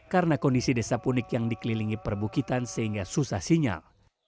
karena kondisi desa punik yang dikelilingi perbukitan sehingga susah sinyal